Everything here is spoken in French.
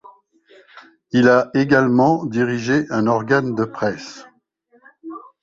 Il a également dirigé un organe de presse.